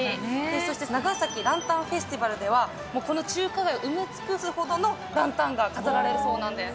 そして、長崎ランタンフェスティバルでは、この中華街を埋め尽くすほどのランタンが飾られるそうなんです。